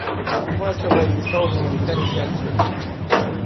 Spuneți că va exista o comunicare și acțiuni.